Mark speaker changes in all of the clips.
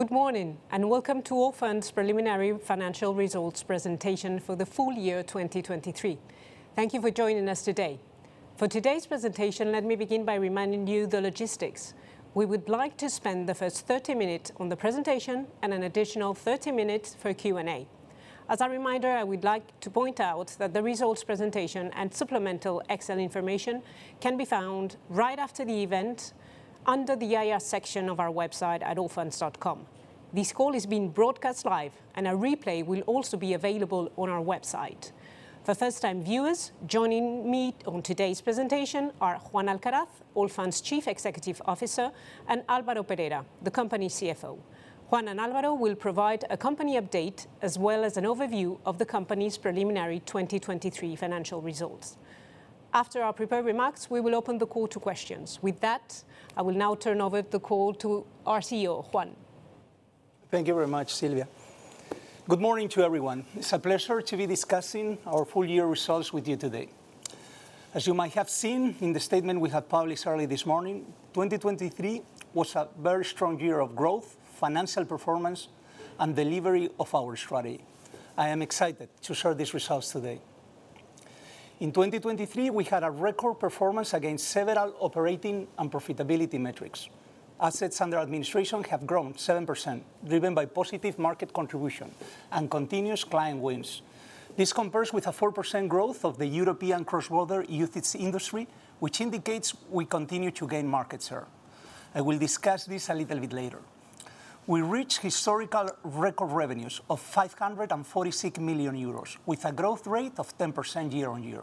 Speaker 1: Good morning, and welcome to Allfunds' preliminary financial results presentation for the full year 2023. Thank you for joining us today. For today's presentation, let me begin by reminding you the logistics. We would like to spend the first 30 minutes on the presentation and an additional 30 minutes for Q&A. As a reminder, I would like to point out that the results presentation and supplemental Excel information can be found right after the event, under the IR section of our website at allfunds.com. This call is being broadcast live, and a replay will also be available on our website. For first-time viewers, joining me on today's presentation are Juan Alcaraz, Allfunds' Chief Executive Officer, and Álvaro Perera, the company CFO. Juan and Álvaro will provide a company update, as well as an overview of the company's preliminary 2023 financial results. After our prepared remarks, we will open the call to questions. With that, I will now turn over the call to our CEO, Juan.
Speaker 2: Thank you very much, Silvia. Good morning to everyone. It's a pleasure to be discussing our full-year results with you today. As you might have seen in the statement we have published early this morning, 2023 was a very strong year of growth, financial performance, and delivery of our strategy. I am excited to share these results today. In 2023, we had a record performance against several operating and profitability metrics. Assets under administration have grown 7%, driven by positive market contribution and continuous client wins. This compares with a 4% growth of the European cross-border UCITS industry, which indicates we continue to gain market share. I will discuss this a little bit later. We reached historical record revenues of 546 million euros, with a growth rate of 10% year-on-year.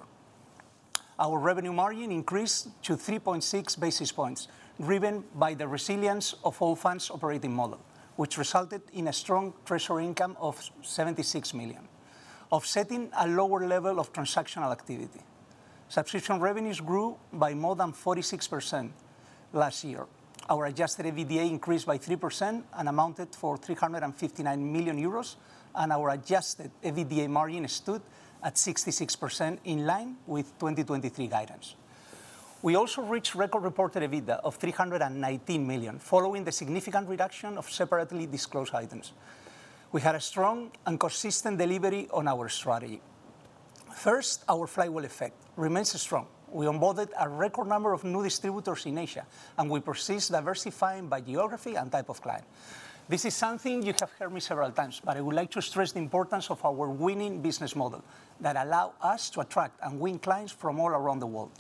Speaker 2: Our revenue margin increased to 3.6 basis points, driven by the resilience of Allfunds' operating model, which resulted in a strong treasury income of 76 million, offsetting a lower level of transactional activity. Subscription revenues grew by more than 46% last year. Our adjusted EBITDA increased by 3% and amounted to 359 million euros, and our adjusted EBITDA margin stood at 66%, in line with 2023 guidance. We also reached record reported EBITDA of 319 million, following the significant reduction of separately disclosed items. We had a strong and consistent delivery on our strategy. First, our flywheel effect remains strong. We onboarded a record number of new distributors in Asia, and we persist diversifying by geography and type of client. This is something you have heard me several times, but I would like to stress the importance of our winning business model that allow us to attract and win clients from all around the world.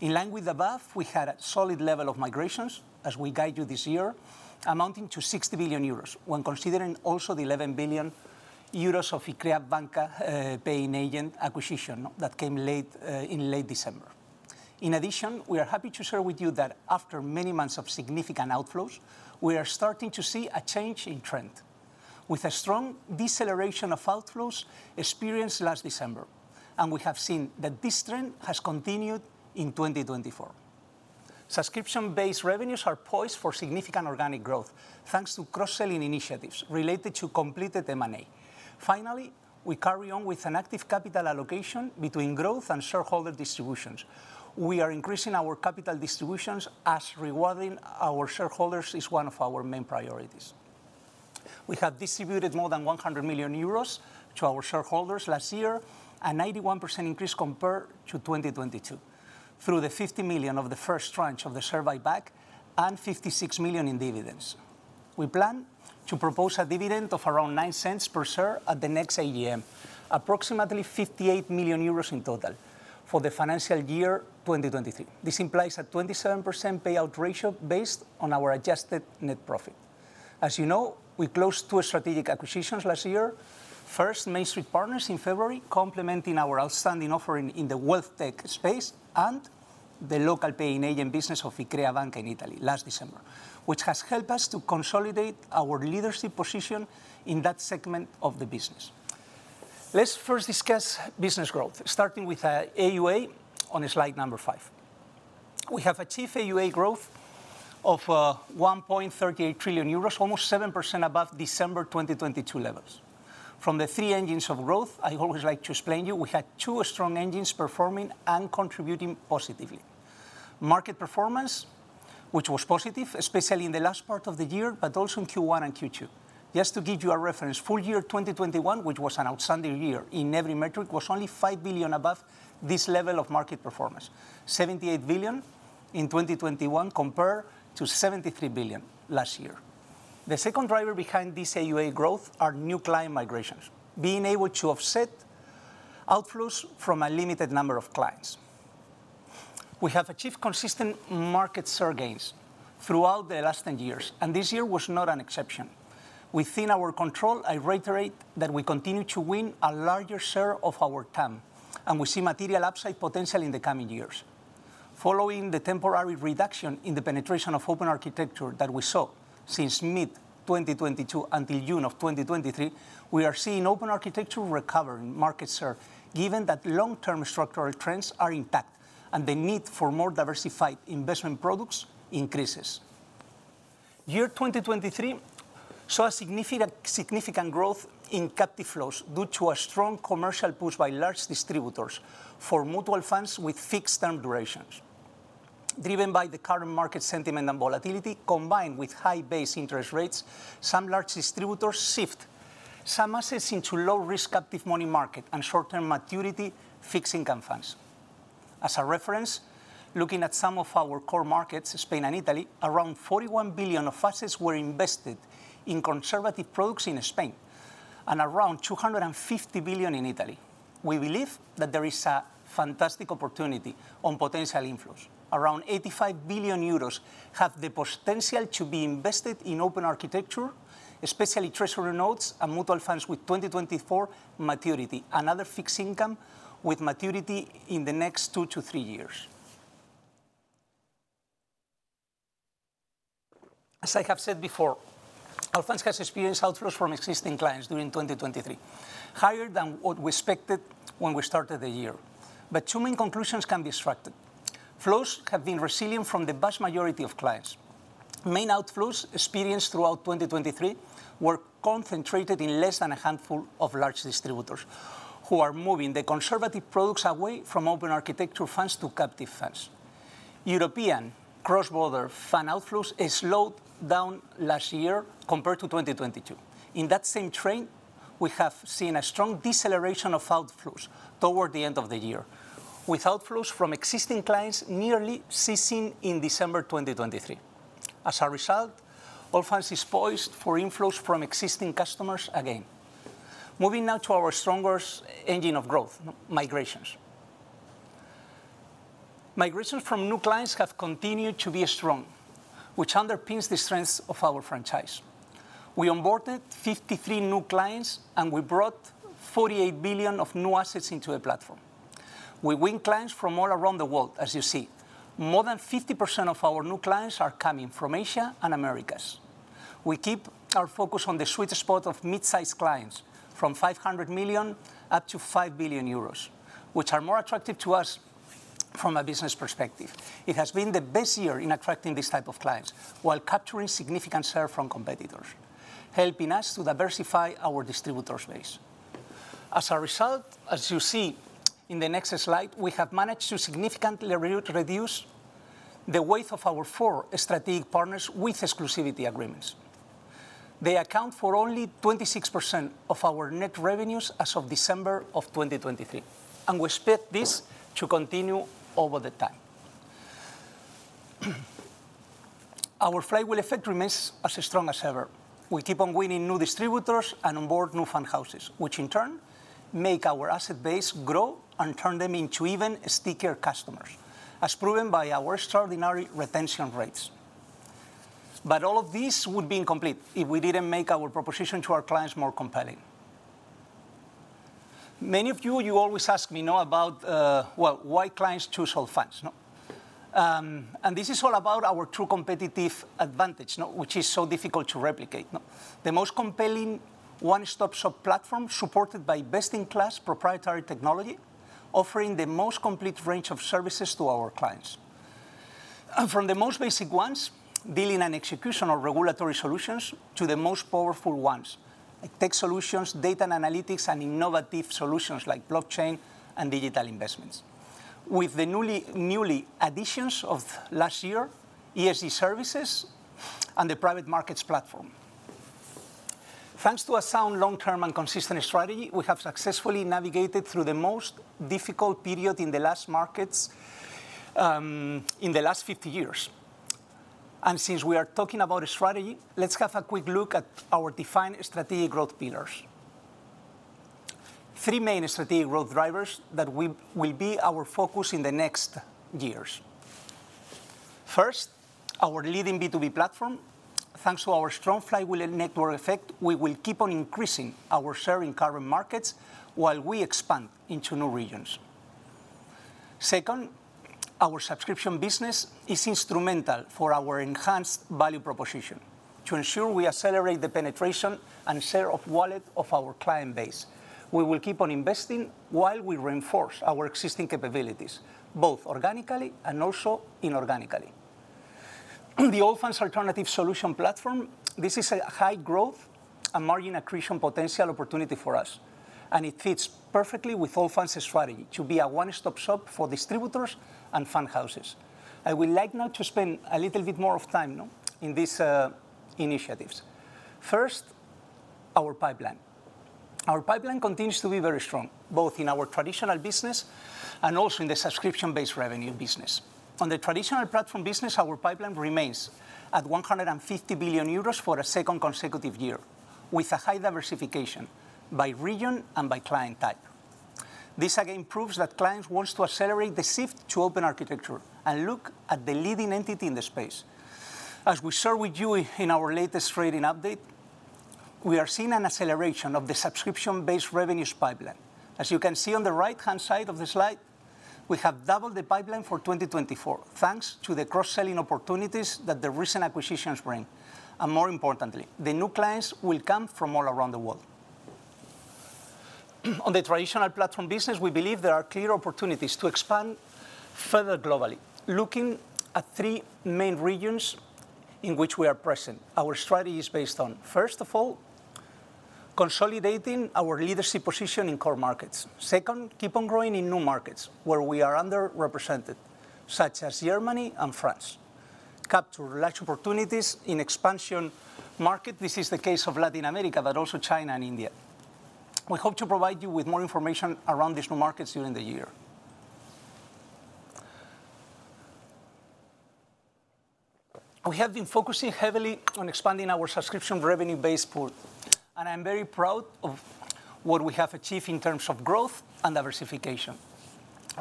Speaker 2: In line with above, we had a solid level of migrations, as we guide you this year, amounting to 60 billion euros, when considering also the 11 billion euros of Iccrea Banca paying agent acquisition that came late in late December. In addition, we are happy to share with you that after many months of significant outflows, we are starting to see a change in trend, with a strong deceleration of outflows experienced last December, and we have seen that this trend has continued in 2024. Subscription-based revenues are poised for significant organic growth, thanks to cross-selling initiatives related to completed M&A. Finally, we carry on with an active capital allocation between growth and shareholder distributions. We are increasing our capital distributions, as rewarding our shareholders is one of our main priorities. We have distributed more than 100 million euros to our shareholders last year, a 91% increase compared to 2022, through the 50 million of the first tranche of the share buyback and 56 million in dividends. We plan to propose a dividend of around 0.09 per share at the next AGM, approximately 58 million euros in total for the financial year 2023. This implies a 27% payout ratio based on our adjusted net profit. As you know, we closed two strategic acquisitions last year. First, MainStreet Partners in February, complementing our outstanding offering in the wealth tech space, and the local paying agent business of Iccrea Banca in Italy last December, which has helped us to consolidate our leadership position in that segment of the business. Let's first discuss business growth, starting with AUA on slide number five. We have achieved AUA growth of 1.38 trillion euros, almost 7% above December 2022 levels. From the three engines of growth, I always like to explain you, we had two strong engines performing and contributing positively. Market performance, which was positive, especially in the last part of the year, but also in Q1 and Q2. Just to give you a reference, full year 2021, which was an outstanding year in every metric, was only 5 billion above this level of market performance, 78 billion in 2021 compared to 73 billion last year. The second driver behind this AUA growth are new client migrations, being able to offset outflows from a limited number of clients. We have achieved consistent market share gains throughout the last 10 years, and this year was not an exception. Within our control, I reiterate that we continue to win a larger share of our TAM, and we see material upside potential in the coming years. Following the temporary reduction in the penetration of open architecture that we saw since mid-2022 until June 2023, we are seeing open architecture recover market share, given that long-term structural trends are intact and the need for more diversified investment products increases. Year 2023 saw a significant growth in captive flows due to a strong commercial push by large distributors for mutual funds with fixed-term durations, driven by the current market sentiment and volatility, combined with high base interest rates. Some large distributors shift some assets into low-risk captive money market and short-term maturity fixed income funds. As a reference, looking at some of our core markets, Spain and Italy, around 41 billion of assets were invested in conservative products in Spain, and around 250 billion in Italy. We believe that there is a fantastic opportunity on potential inflows. Around 85 billion euros have the potential to be invested in open architecture, especially treasury notes and mutual funds with 2024 maturity, another fixed income with maturity in the next two to three years. As I have said before, Allfunds has experienced outflows from existing clients during 2023, higher than what we expected when we started the year. But two main conclusions can be extracted. Flows have been resilient from the vast majority of clients. Main outflows experienced throughout 2023 were concentrated in less than a handful of large distributors, who are moving the conservative products away from open architecture funds to captive funds. European cross-border fund outflows has slowed down last year compared to 2022. In that same trend, we have seen a strong deceleration of outflows toward the end of the year, with outflows from existing clients nearly ceasing in December 2023. As a result, Allfunds is poised for inflows from existing customers again. Moving now to our strongest engine of growth, migrations. Migrations from new clients have continued to be strong, which underpins the strength of our franchise. We onboarded 53 new clients, and we brought 48 billion of new assets into the platform. We win clients from all around the world, as you see. More than 50% of our new clients are coming from Asia and Americas. We keep our focus on the sweet spot of mid-sized clients, from 500 million-5 billion euros, which are more attractive to us from a business perspective. It has been the best year in attracting this type of clients, while capturing significant share from competitors, helping us to diversify our distributor base. As a result, as you see in the next slide, we have managed to significantly reduce the weight of our four strategic partners with exclusivity agreements. They account for only 26% of our net revenues as of December 2023, and we expect this to continue over the time. Our flywheel effect remains as strong as ever. We keep on winning new distributors and onboard new fund houses, which in turn make our asset base grow and turn them into even stickier customers, as proven by our extraordinary retention rates. But all of this would be incomplete if we didn't make our proposition to our clients more compelling. Many of you, you always ask me, no, about, well, why clients choose Allfunds, no? And this is all about our true competitive advantage, no, which is so difficult to replicate, no. The most compelling one-stop-shop platform, supported by best-in-class proprietary technology, offering the most complete range of services to our clients. From the most basic ones, billing and execution or regulatory solutions, to the most powerful ones, like tech solutions, data and analytics, and innovative solutions like blockchain and digital investments. With the new additions of last year, ESG services and the private markets platform. Thanks to a sound, long-term, and consistent strategy, we have successfully navigated through the most difficult period in the last markets, in the last 50 years. Since we are talking about strategy, let's have a quick look at our defined strategic growth pillars. Three main strategic growth drivers that will be our focus in the next years. First, our leading B2B platform. Thanks to our strong flywheel and network effect, we will keep on increasing our share in current markets while we expand into new regions. Second, our subscription business is instrumental for our enhanced value proposition. To ensure we accelerate the penetration and share of wallet of our client base, we will keep on investing while we reinforce our existing capabilities, both organically and also inorganically. The Allfunds Alternative Solution platform, this is a high growth and margin accretion potential opportunity for us, and it fits perfectly with Allfunds' strategy to be a one-stop shop for distributors and fund houses. I would like now to spend a little bit more of time, no, in these, initiatives. First, our pipeline. Our pipeline continues to be very strong, both in our traditional business and also in the subscription-based revenue business. On the traditional platform business, our pipeline remains at 150 billion euros for a second consecutive year, with a high diversification by region and by client type. This again proves that clients want to accelerate the shift to open architecture and look at the leading entity in the space. As we share with you in our latest trading update, we are seeing an acceleration of the subscription-based revenues pipeline. As you can see on the right-hand side of the slide, we have doubled the pipeline for 2024, thanks to the cross-selling opportunities that the recent acquisitions bring. More importantly, the new clients will come from all around the world. On the traditional platform business, we believe there are clear opportunities to expand further globally. Looking at three main regions in which we are present, our strategy is based on, first of all, consolidating our leadership position in core markets. Second, keep on growing in new markets where we are underrepresented, such as Germany and France. Capture large opportunities in expansion market. This is the case of Latin America, but also China and India. We hope to provide you with more information around these new markets during the year. We have been focusing heavily on expanding our subscription revenue base pool, and I'm very proud of what we have achieved in terms of growth and diversification.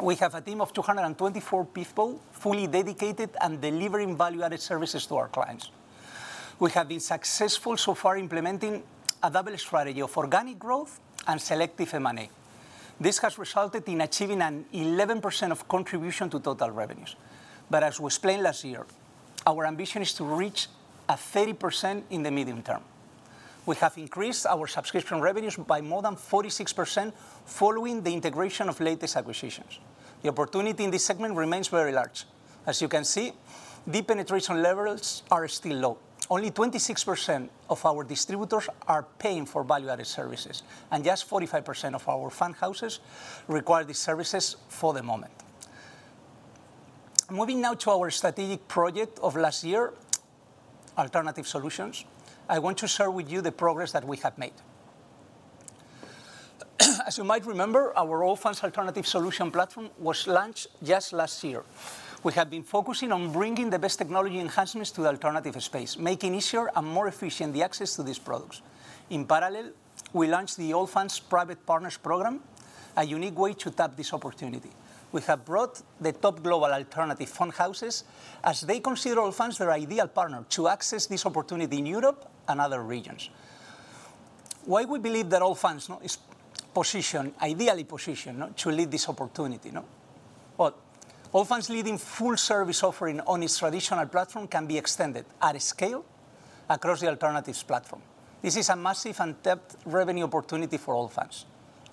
Speaker 2: We have a team of 224 people, fully dedicated and delivering value-added services to our clients. We have been successful so far implementing a double strategy of organic growth and selective M&A. This has resulted in achieving an 11% of contribution to total revenues. But as we explained last year, our ambition is to reach a 30% in the medium term. We have increased our subscription revenues by more than 46% following the integration of latest acquisitions. The opportunity in this segment remains very large. As you can see, the penetration levels are still low. Only 26% of our distributors are paying for value-added services, and just 45% of our fund houses require these services for the moment. Moving now to our strategic project of last year, Alternative Solutions, I want to share with you the progress that we have made. As you might remember, our Allfunds Alternative Solutions platform was launched just last year. We have been focusing on bringing the best technology enhancements to the alternative space, making easier and more efficient the access to these products. In parallel, we launched the Allfunds Private Partners program, a unique way to tap this opportunity. We have brought the top global alternative fund houses as they consider Allfunds their ideal partner to access this opportunity in Europe and other regions. Why we believe that Allfunds is ideally positioned, to lead this opportunity? Well, Allfunds' leading full-service offering on its traditional platform can be extended at scale across the alternatives platform. This is a massive untapped revenue opportunity for Allfunds.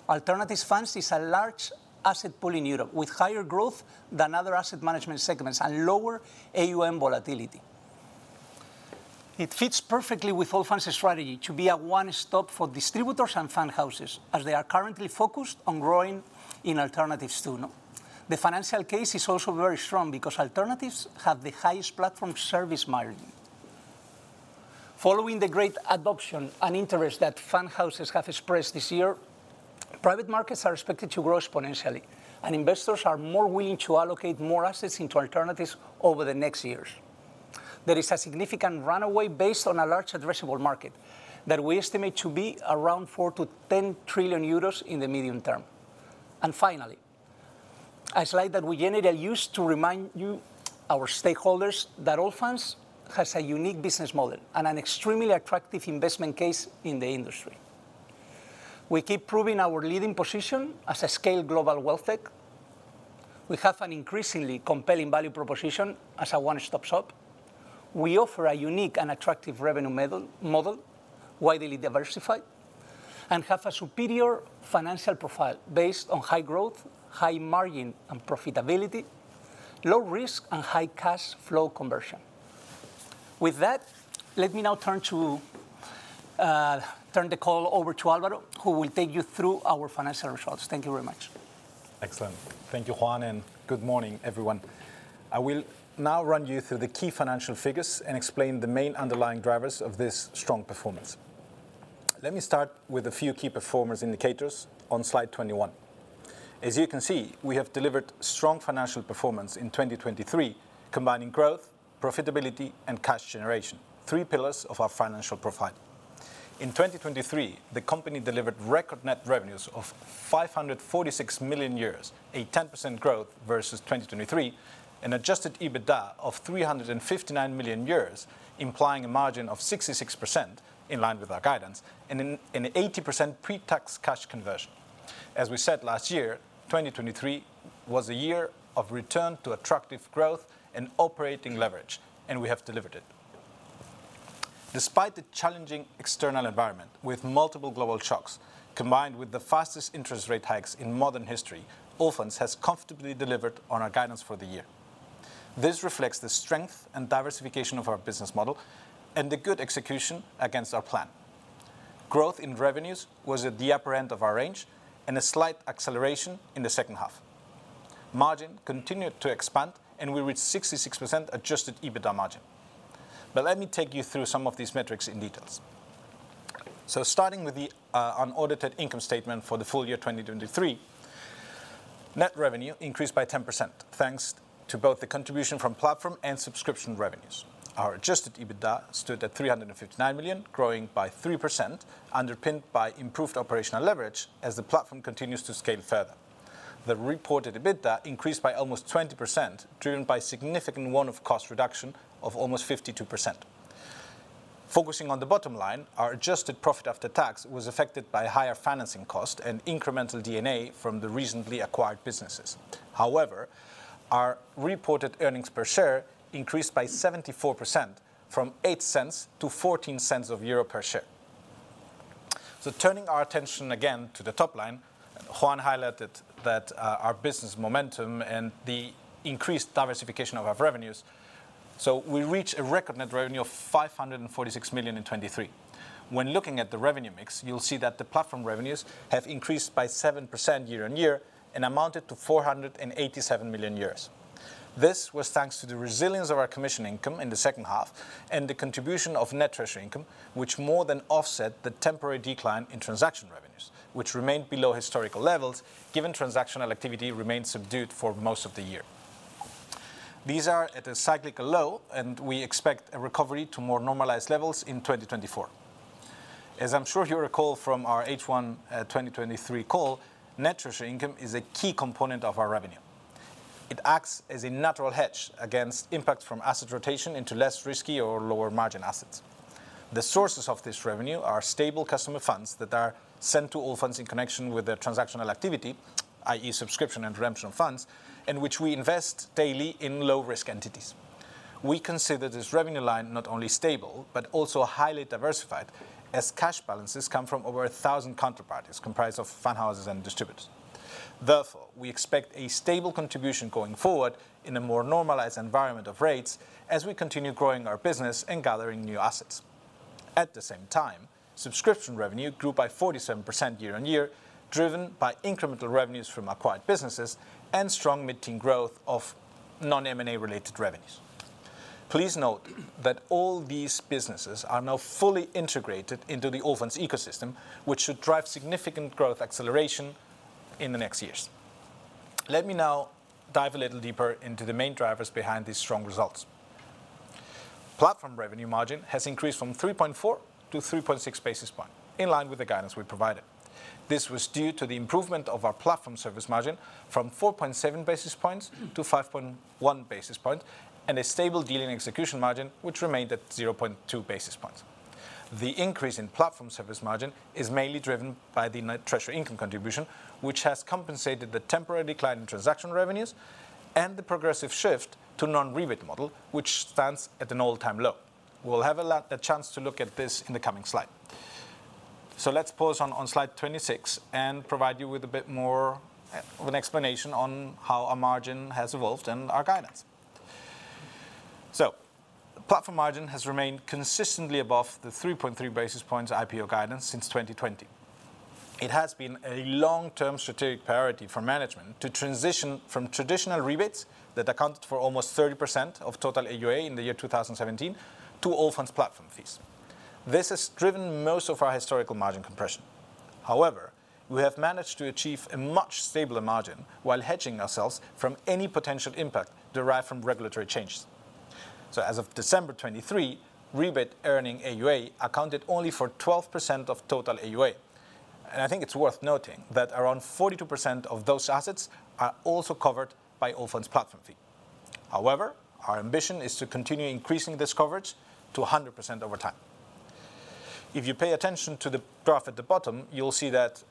Speaker 2: Alternatives funds is a large asset pool in Europe, with higher growth than other asset management segments and lower AUM volatility. It fits perfectly with Allfunds' strategy to be a one-stop for distributors and fund houses, as they are currently focused on growing in alternatives, too? The financial case is also very strong because alternatives have the highest platform service margin. Following the great adoption and interest that fund houses have expressed this year, private markets are expected to grow exponentially, and investors are more willing to allocate more assets into alternatives over the next years. There is a significant runway based on a large addressable market that we estimate to be around 4 trillion-10 trillion euros in the medium term. Finally, a slide that we generally use to remind you, our stakeholders, that Allfunds has a unique business model and an extremely attractive investment case in the industry. We keep proving our leading position as a scaled global WealthTech. We have an increasingly compelling value proposition as a one-stop shop. We offer a unique and attractive revenue model, widely diversified, and have a superior financial profile based on high growth, high margin and profitability, low risk, and high cash flow conversion. With that, let me now turn to, turn the call over to Álvaro, who will take you through our financial results. Thank you very much.
Speaker 3: Excellent. Thank you, Juan, and good morning, everyone. I will now run you through the key financial figures and explain the main underlying drivers of this strong performance. Let me start with a few key performance indicators on slide 21. As you can see, we have delivered strong financial performance in 2023, combining growth, profitability, and cash generation, three pillars of our financial profile. In 2023, the company delivered record net revenues of 546 million euros, a 10% growth versus 2023, an adjusted EBITDA of 359 million euros, implying a margin of 66%, in line with our guidance, and an 80% pre-tax cash conversion. As we said last year, 2023 was a year of return to attractive growth and operating leverage, and we have delivered it. Despite the challenging external environment, with multiple global shocks, combined with the fastest interest rate hikes in modern history, Allfunds has comfortably delivered on our guidance for the year. This reflects the strength and diversification of our business model and the good execution against our plan. Growth in revenues was at the upper end of our range and a slight acceleration in the second half. Margin continued to expand, and we reached 66% Adjusted EBITDA margin. But let me take you through some of these metrics in details. So starting with the unaudited income statement for the full year 2023, net revenue increased by 10%, thanks to both the contribution from platform and subscription revenues. Our Adjusted EBITDA stood at 359 million, growing by 3%, underpinned by improved operational leverage as the platform continues to scale further. The reported EBITDA increased by almost 20%, driven by significant one-off cost reduction of almost 52%. Focusing on the bottom line, our adjusted profit after tax was affected by higher financing cost and incremental D&A from the recently acquired businesses. However, our reported earnings per share increased by 74%, from 0.08-0.14 euro per share. Turning our attention again to the top line, Juan highlighted that our business momentum and the increased diversification of our revenues. We reached a record net revenue of 546 million in 2023. When looking at the revenue mix, you'll see that the platform revenues have increased by 7% year-on-year and amounted to 487 million. This was thanks to the resilience of our commission income in the second half and the contribution of net treasury income, which more than offset the temporary decline in transaction revenues, which remained below historical levels, given transactional activity remained subdued for most of the year. These are at a cyclical low, and we expect a recovery to more normalized levels in 2024. As I'm sure you recall from our H1 2023 call, net treasury income is a key component of our revenue. It acts as a natural hedge against impact from asset rotation into less risky or lower margin assets. The sources of this revenue are stable customer funds that are sent to Allfunds in connection with their transactional activity, i.e., subscription and redemption of funds, in which we invest daily in low-risk entities. We consider this revenue line not only stable but also highly diversified, as cash balances come from over 1,000 counterparties, comprised of fund houses and distributors. Therefore, we expect a stable contribution going forward in a more normalized environment of rates as we continue growing our business and gathering new assets. At the same time, subscription revenue grew by 47% year-on-year, driven by incremental revenues from acquired businesses and strong mid-teen growth of non-M&A-related revenues. Please note that all these businesses are now fully integrated into the Allfunds ecosystem, which should drive significant growth acceleration in the next years. Let me now dive a little deeper into the main drivers behind these strong results. Platform revenue margin has increased from 3.4 basis points to 3.6 basis points, in line with the guidance we provided. This was due to the improvement of our platform service margin from 4.7 basis points to 5.1 basis point, and a stable dealing execution margin, which remained at 0.2 basis points. The increase in platform service margin is mainly driven by the net treasury income contribution, which has compensated the temporary decline in transaction revenues and the progressive shift to non-rebate model, which stands at an all-time low. We'll have a chance to look at this in the coming slide. So let's pause on slide 26 and provide you with a bit more of an explanation on how our margin has evolved and our guidance. So platform margin has remained consistently above the 3.3 basis points IPO guidance since 2020. It has been a long-term strategic priority for management to transition from traditional rebates that accounted for almost 30% of total AUA in the year 2017 to Allfunds platform fees. This has driven most of our historical margin compression. However, we have managed to achieve a much stabler margin while hedging ourselves from any potential impact derived from regulatory changes. As of December 2023, rebate-earning AUA accounted only for 12% of total AUA, and I think it's worth noting that around 42% of those assets are also covered by Allfunds platform fee. However, our ambition is to continue increasing this coverage to 100% over time. If you pay attention to the graph at the bottom, you'll see that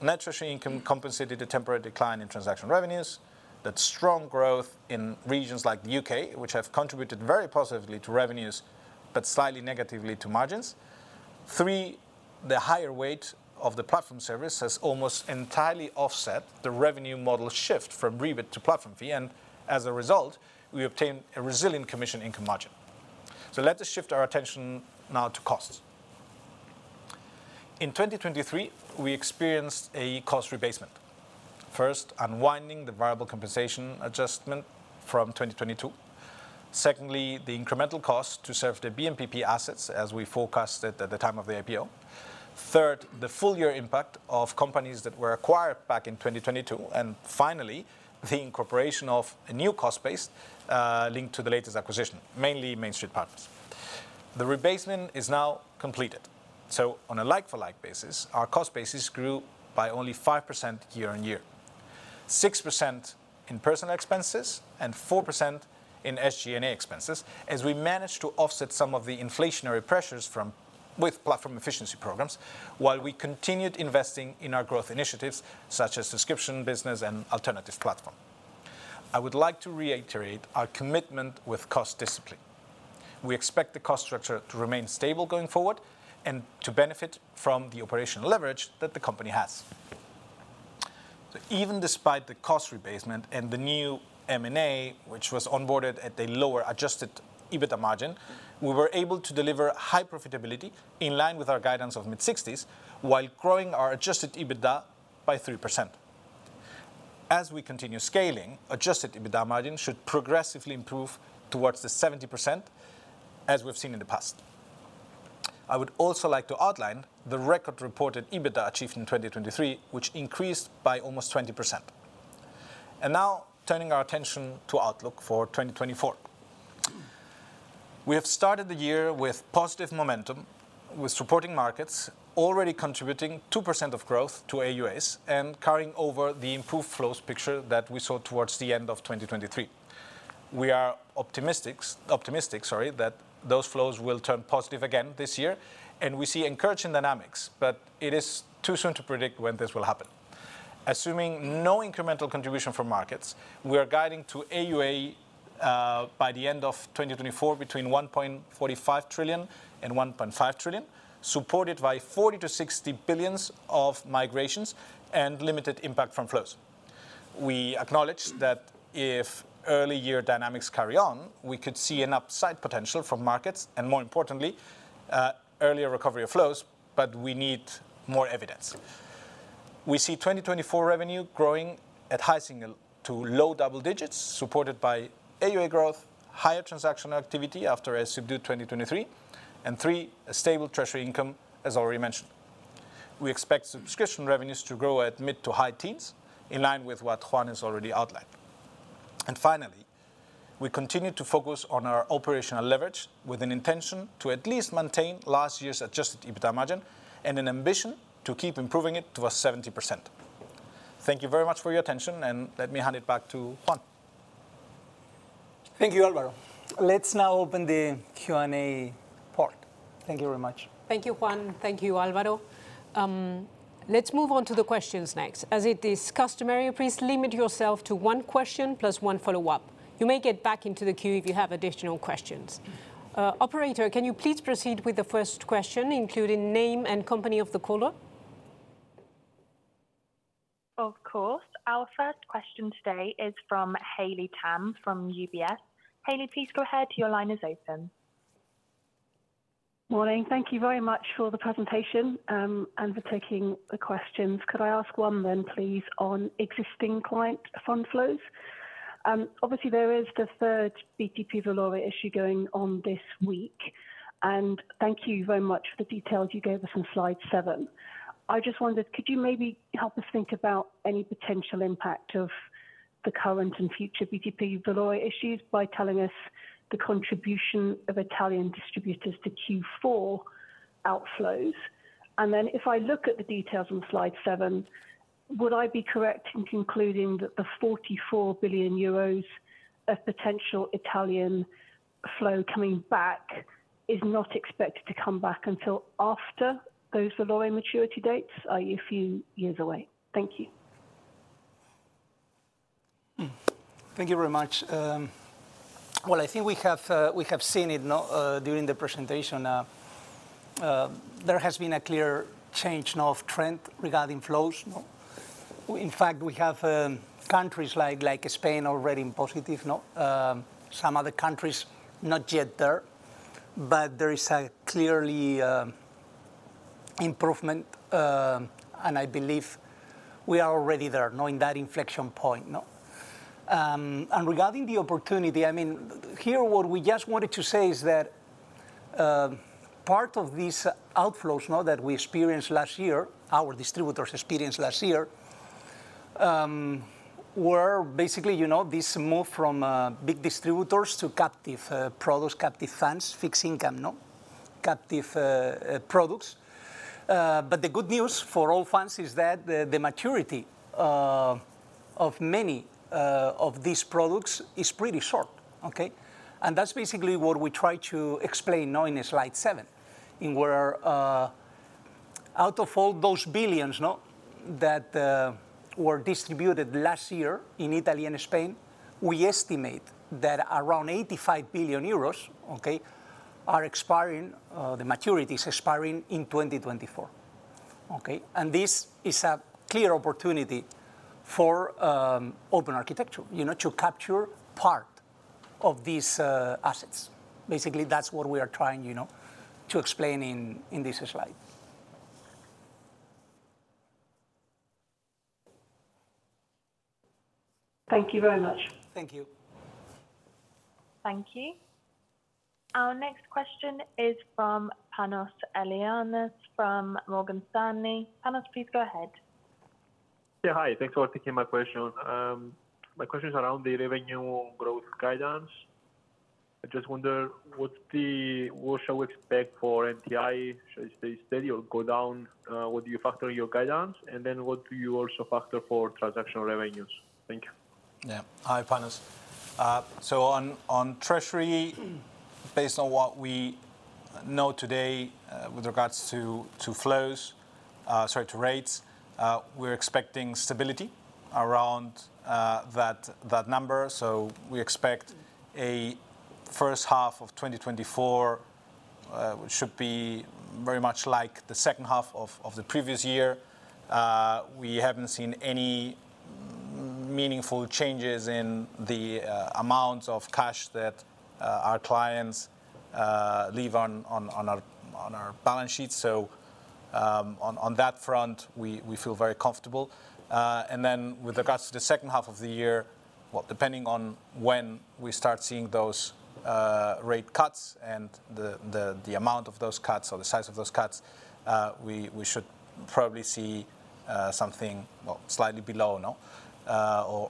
Speaker 3: net treasury income compensated a temporary decline in transaction revenues, that strong growth in regions like the U.K., which have contributed very positively to revenues but slightly negatively to margins. Three, the higher weight of the platform service has almost entirely offset the revenue model shift from rebate to platform fee, and as a result, we obtain a resilient commission income margin. So let us shift our attention now to costs. In 2023, we experienced a cost rebasement. First, unwinding the variable compensation adjustment from 2022. Secondly, the incremental cost to serve the BNPP assets, as we forecasted at the time of the IPO. Third, the full year impact of companies that were acquired back in 2022, and finally, the incorporation of a new cost base linked to the latest acquisition, mainly MainStreet Partners. The rebasement is now completed, so on a like-for-like basis, our cost basis grew by only 5% year-on-year, 6% in personal expenses, and 4% in SG&A expenses, as we managed to offset some of the inflationary pressures with platform efficiency programs while we continued investing in our growth initiatives, such as subscription business and alternative platform. I would like to reiterate our commitment with cost discipline. We expect the cost structure to remain stable going forward and to benefit from the operational leverage that the company has. So even despite the cost rebasement and the new M&A, which was onboarded at a lower Adjusted EBITDA margin, we were able to deliver high profitability in line with our guidance of mid-60s, while growing our Adjusted EBITDA by 3%. As we continue scaling, Adjusted EBITDA margin should progressively improve towards the 70%, as we've seen in the past. I would also like to outline the record reported EBITDA achieved in 2023, which increased by almost 20%. Now turning our attention to outlook for 2024. We have started the year with positive momentum, with supporting markets already contributing 2% of growth to AUAs and carrying over the improved flows picture that we saw towards the end of 2023. We are optimistic, sorry, that those flows will turn positive again this year, and we see encouraging dynamics, but it is too soon to predict when this will happen. Assuming no incremental contribution from markets, we are guiding to AUA by the end of 2024, between 1.45 trillion-1.5 trillion, supported by 40 billion-60 billion of migrations and limited impact from flows. We acknowledge that if early year dynamics carry on, we could see an upside potential from markets, and more importantly, earlier recovery of flows, but we need more evidence. We see 2024 revenue grow -ing at high single to low double digits, supported by AUA growth, higher transactional activity after a subdued 2023, and three, a stable treasury income, as already mentioned. We expect subscription revenues to grow at mid - to high teens, in line with what Juan has already outlined. And finally, we continue to focus on our operational leverage with an intention to at least maintain last year's Adjusted EBITDA margin and an ambition to keep improving it to a 70%. Thank you very much for your attention, and let me hand it back to Juan.
Speaker 2: Thank you, Álvaro. Let's now open the Q&A part. Thank you very much.
Speaker 1: Thank you, Juan. Thank you, Álvaro. Let's move on to the questions next. As it is customary, please limit yourself to one question, plus one follow-up. You may get back into the queue if you have additional questions. Operator, can you please proceed with the first question, including name and company of the caller?
Speaker 4: Of course. Our first question today is from Haley Tam, from UBS. Haley, please go ahead. Your line is open.
Speaker 5: Morning. Thank you very much for the presentation, and for taking the questions. Could I ask one then, please, on existing client fund flows? Obviously, there is the third BTP Valore issue going on this week, and thank you very much for the details you gave us on slide seven. I just wondered, could you maybe help us think about any potential impact of the current and future BTP Valore issues by telling us the contribution of Italian distributors to Q4 outflows? And then if I look at the details on slide seven, would I be correct in concluding that the 44 billion euros of potential Italian flow coming back is not expected to come back until after those Valore maturity dates, are a few years away? Thank you.
Speaker 2: Thank you very much. Well, I think we have seen it, no, during the presentation. There has been a clear change of trend regarding flows, no? In fact, we have countries like Spain already in positive, no, some other countries not yet there, but there is a clearly improvement, and I believe we are already there, knowing that inflection point, no? And regarding the opportunity, I mean, here, what we just wanted to say is that part of these outflows, no, that we experienced last year, our distributors experienced last year, were basically, you know, this move from big distributors to captive products, captive funds, fixed income, no, captive products. But the good news for Allfunds is that the maturity of many of these products is pretty short. Okay? And that's basically what we try to explain now in slide seven, where out of all those billions that were distributed last year in Italy and Spain, we estimate that around 85 billion euros, okay, are expiring, the maturity is expiring in 2024. Okay? And this is a clear opportunity for Open Architecture, you know, to capture part of these assets. Basically, that's what we are trying, you know, to explain in this slide.
Speaker 5: Thank you very much.
Speaker 2: Thank you.
Speaker 4: Thank you. Our next question is from Panos Ellinas, from Morgan Stanley. Panos, please go ahead.
Speaker 6: Yeah, hi. Thanks for taking my question. My question is around the revenue growth guidance. I just wonder, what shall we expect for NTI? Should it stay steady or go down? What do you factor in your guidance? And then what do you also factor for transactional revenues? Thank you.
Speaker 3: Yeah. Hi, Panos. So on treasury, based on what we know today, with regards to flows, sorry, to rates, we're expecting stability around that number. So we expect a first half of 2024 should be very much like the second half of the previous year. We haven't seen any meaningful changes in the amount of cash that our clients leave on our balance sheet. So, on that front, we feel very comfortable. And then with regards to the second half of the year, well, depending on when we start seeing those rate cuts and the amount of those cuts or the size of those cuts, we should probably see something, well, slightly below, no,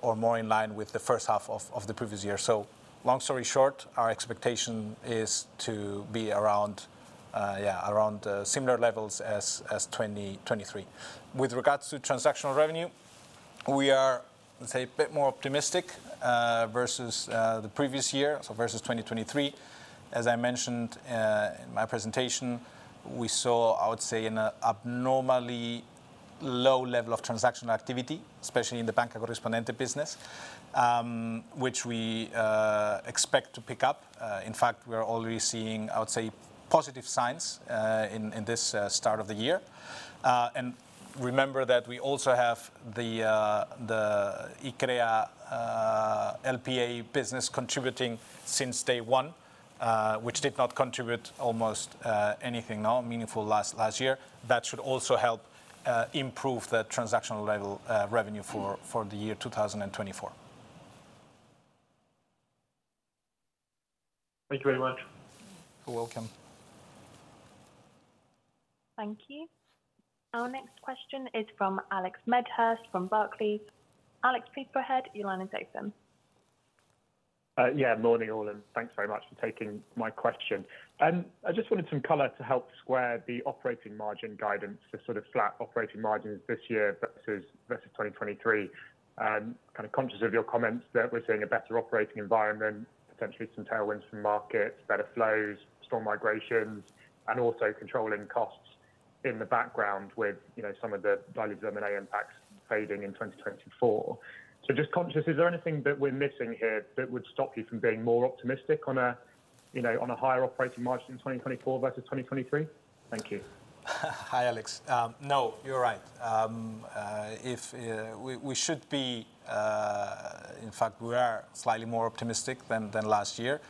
Speaker 3: or more in line with the first half of the previous year. So long story short, our expectation is to be around, yeah, around similar levels as 2023. With regards to transactional revenue, we are, let's say, a bit more optimistic versus the previous year, so versus 2023. As I mentioned in my presentation, we saw, I would say, an abnormally low level of transactional activity, especially in the Banca Corrispondente business, which we expect to pick up. In fact, we are already seeing, I would say, positive signs in this start of the year. And remember that we also have the Iccrea LPA business contributing since day one, which did not contribute almost anything now meaningful last year. That should also help improve the transactional level revenue for the year 2024.
Speaker 6: Thank you very much.
Speaker 3: You're welcome.
Speaker 4: Thank you. Our next question is from Alex Medhurst from Barclays. Alex, please go ahead. Your line is open.
Speaker 7: Yeah, morning, all, and thanks very much for taking my question. I just wanted some color to help square the operating margin guidance, the sort of flat operating margins this year versus 2023. Kind of conscious of your comments that we're seeing a better operating environment, potentially some tailwinds from markets, better flows, strong migrations, and also controlling costs in the background with, you know, some of the value M&A impacts fading in 2024. So just conscious, is there anything that we're missing here that would stop you from being more optimistic on a, you know, on a higher operating margin in 2024 versus 2023? Thank you.
Speaker 3: Hi, Alex. No, you're right. In fact, we are slightly more optimistic than last year.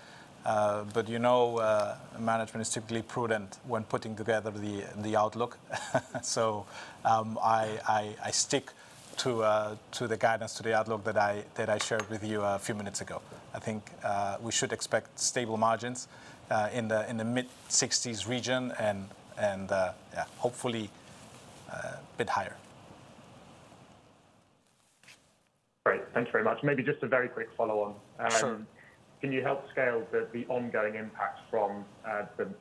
Speaker 3: But, you know, management is typically prudent when putting together the outlook. So, I stick to the guidance, to the outlook that I shared with you a few minutes ago. I think we should expect stable margins in the mid-60s region and, yeah, hopefully, a bit higher.
Speaker 7: Great. Thanks very much. Maybe just a very quick follow-on.
Speaker 3: Sure.
Speaker 7: Can you help scale the ongoing impact from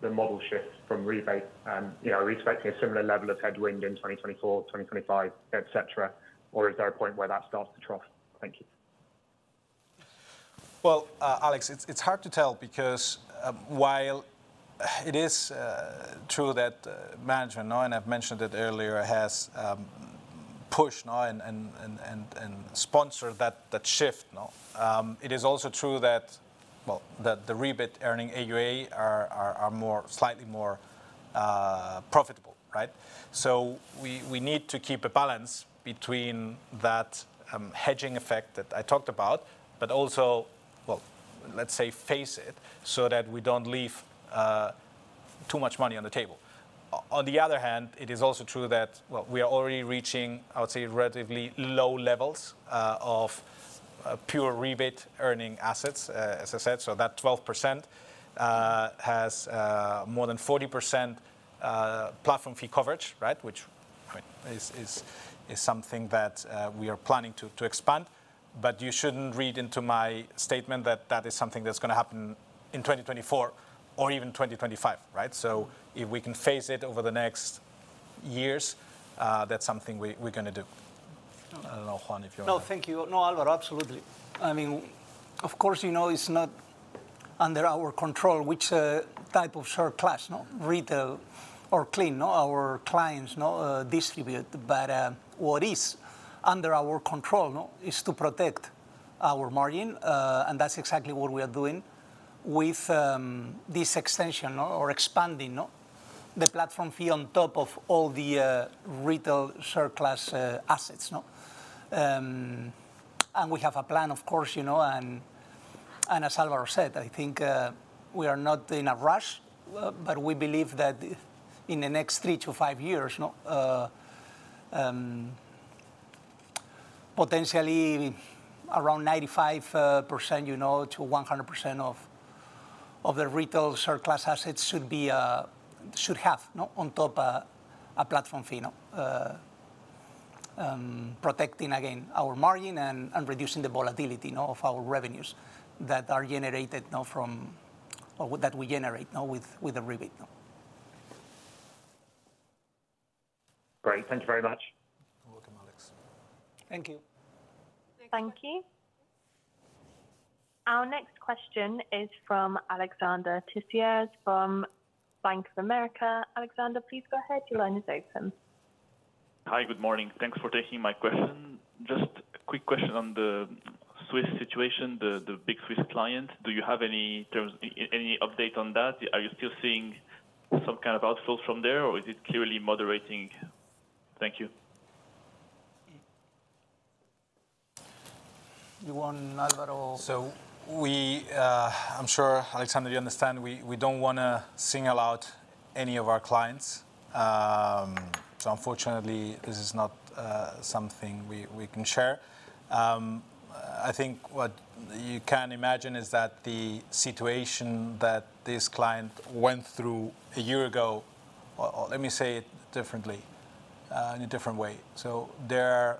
Speaker 7: the model shift from rebate? And, you know, are we expecting a similar level of headwind in 2024, 2025, et cetera, or is there a point where that starts to trough? Thank you.
Speaker 3: Well, Alex, it's hard to tell because while it is true that management now, and I've mentioned it earlier, has pushed on and sponsored that shift, no, it is also true that the rebate-earning AUA are more, slightly more profitable, right? So we need to keep a balance between that hedging effect that I talked about, but also, well, let's say, face it, so that we don't leave too much money on the table. On the other hand, it is also true that we are already reaching, I would say, relatively low levels of pure rebate-earning assets, as I said. So that 12% has more than 40% platform fee coverage, right? Which, I mean, is something that we are planning to expand. But you shouldn't read into my statement that that is something that's going to happen in 2024 or even 2025, right? So if we can phase it over the next years, that's something we're going to do. I don't know, Juan, if you want-
Speaker 2: No, thank you. No, Álvaro, absolutely. I mean, of course, you know, it's not under our control, which type of share class, retail or clean, our clients distribute. But what is under our control is to protect our margin, and that's exactly what we are doing with this extension, or expanding, the platform fee on top of all the retail surplus assets. And we have a plan, of course, you know, and as Álvaro said, I think we are not in a rush, but we believe that in the next 3 to 5 years, potentially around 95%, you know, to 100% of the retail surplus assets should be, should have, on top, a platform fee. protecting, again, our margin and reducing the volatility of our revenues that we generate with the rebate.
Speaker 7: Great. Thank you very much.
Speaker 3: You're welcome, Alex.
Speaker 2: Thank you.
Speaker 4: Thank you. Our next question is from Alexandre Tissier from Bank of America. Alexander, please go ahead. Your line is open.
Speaker 8: Hi, good morning. Thanks for taking my question. Just a quick question on the Swiss situation, the big Swiss client. Do you have any terms, any update on that? Are you still seeing some kind of outflow from there, or is it clearly moderating? Thank you.
Speaker 2: You want Álvaro or...
Speaker 3: I'm sure, Alexander, you understand, we don't want to single out any of our clients. So unfortunately, this is not something we, we can share. I think what you can imagine is that the situation that this client went through a year ago. Let me say it differently, in a different way. So they're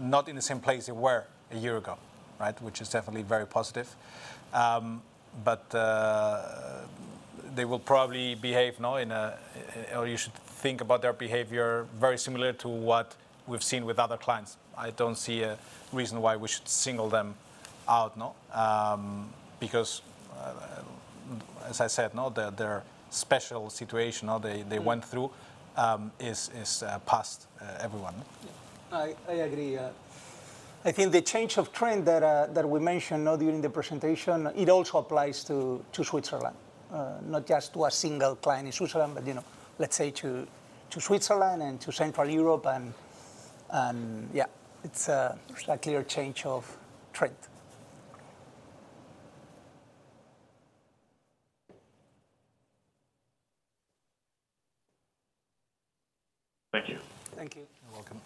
Speaker 3: not in the same place they were a year ago, right? Which is definitely very positive. But they will probably behave now in a or you should think about their behavior very similar to what we've seen with other clients. I don't see a reason why we should single them out, no? Because, as I said, no, their special situation, no, they, they went through is past, everyone.
Speaker 2: I agree, yeah. I think the change of trend that we mentioned now during the presentation also applies to Switzerland, not just to a single client in Switzerland, but, you know, let's say to Switzerland and to Central Europe and, yeah, it's a slightly clear change of trend.
Speaker 8: Thank you.
Speaker 2: Thank you.
Speaker 3: You're welcome.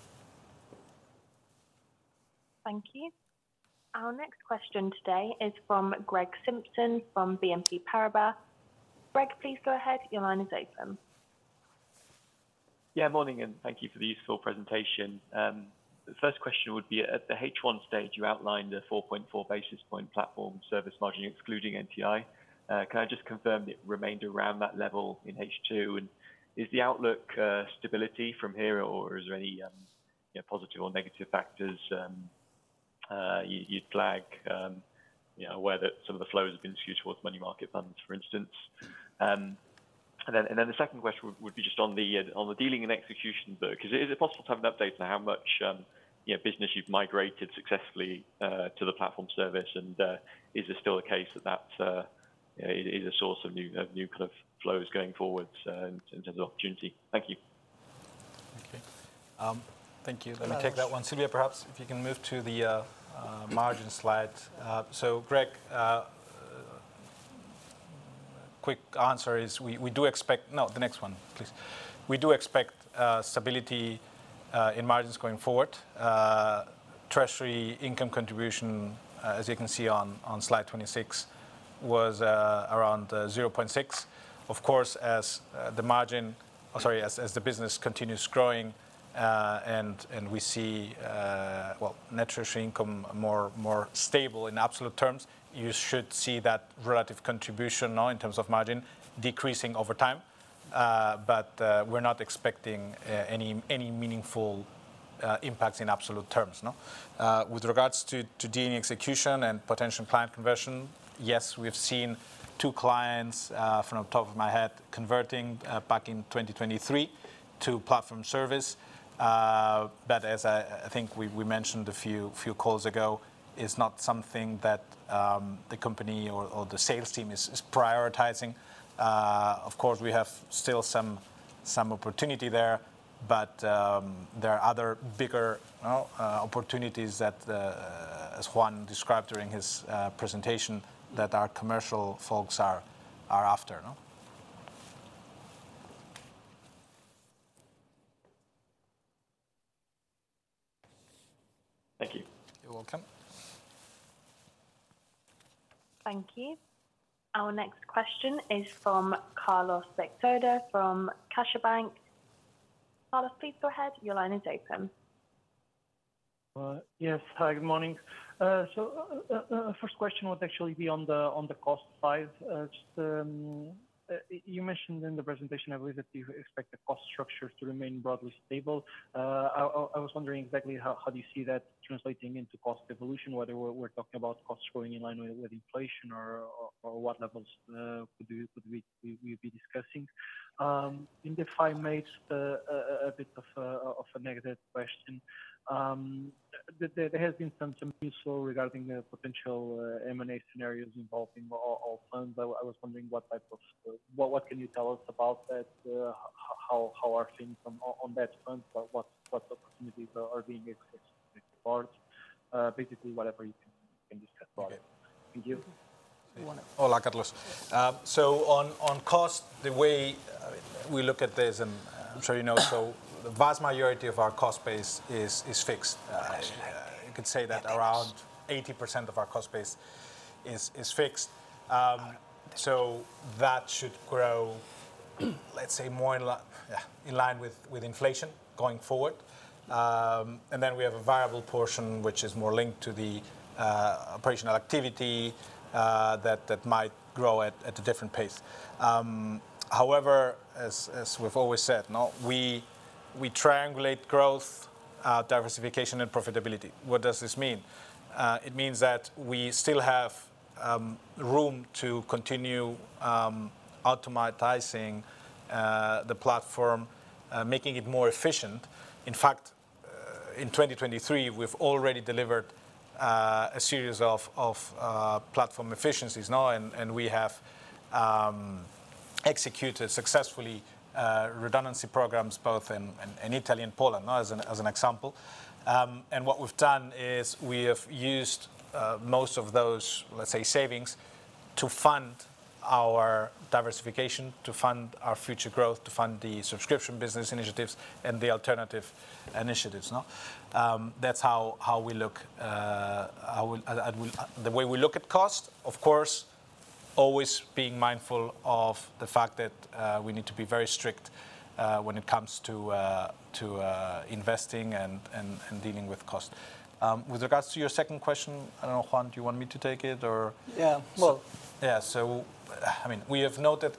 Speaker 4: Thank you. Our next question today is from Greg Simpson from BNP Paribas. Greg, please go ahead. Your line is open.
Speaker 9: Yeah, morning, and thank you for the useful presentation. The first question would be, at the H1 stage, you outlined a 4.4 basis point platform service margin, excluding NTI. Can I just confirm it remained around that level in H2, and is the outlook stability from here, or is there any, you know, positive or negative factors you'd flag, you know, where that some of the flows have been skewed towards money market funds, for instance? And then the second question would be just on the dealing and execution book. Is it possible to have an update on how much, you know, business you've migrated successfully to the platform service, and is it still the case that you know is a source of new kind of flows going forward in terms of opportunity? Thank you.
Speaker 3: Okay. Thank you. Let me take that one. Sylvia, perhaps if you can move to the margin slide. So, Greg, quick answer is we do expect. No, the next one, please. We do expect stability in margins going forward. Treasury income contribution, as you can see on slide 26, was around 0.6. Of course, as the margin - sorry, as the business continues growing, and we see, well, net treasury income more stable in absolute terms, you should see that relative contribution, now in terms of margin, decreasing over time. But we're not expecting any meaningful impacts in absolute terms, no? With regards to dealing execution and potential client conversion, yes, we've seen two clients from the top of my head converting back in 2023 to platform service. But as I think we mentioned a few calls ago, it's not something that the company or the sales team is prioritizing. Of course, we have still some opportunity there, but there are other bigger, you know, opportunities that as Juan described during his presentation, that our commercial folks are after, no?
Speaker 9: Thank you.
Speaker 3: You're welcome.
Speaker 4: Thank you. Our next question is from Carlos Becerra from CaixaBank. Carlos, please go ahead. Your line is open.
Speaker 10: Yes. Hi, good morning. So, first question would actually be on the cost side. Just, you mentioned in the presentation, I believe, that you expect the cost structure to remain broadly stable. I was wondering exactly how do you see that translating into cost evolution, whether we're talking about costs growing in line with inflation or what levels could we be discussing? And if I may, a bit of a negative question. There has been some news regarding the potential M&A scenarios involving Allfunds. I was wondering what type of... what can you tell us about that? How are things from on that front? What opportunities are being expressed forward? Basically, whatever you can discuss about it.
Speaker 3: Okay.
Speaker 10: Thank you.
Speaker 3: Hola, Carlos. So on cost, the way we look at this, and I'm sure you know, so the vast majority of our cost base is fixed. You could say that around 80% of our cost base is fixed. So that should grow, let's say, more in line with inflation going forward. And then we have a variable portion, which is more linked to the operational activity, that might grow at a different pace. However, as we've always said, we triangulate growth, diversification, and profitability. What does this mean? It means that we still have room to continue automating the platform, making it more efficient. In fact, in 2023, we've already delivered a series of platform efficiencies, no? We have executed successfully redundancy programs both in Italy and Poland, as an example. What we've done is we have used most of those, let's say, savings, to fund our diversification, to fund our future growth, to fund the subscription business initiatives and the alternative initiatives, no? That's how we look at cost, of course, always being mindful of the fact that we need to be very strict when it comes to investing and dealing with cost. With regards to your second question, I don't know, Juan, do you want me to take it or?
Speaker 2: Yeah. Well-
Speaker 3: Yeah, so, I mean, we have noted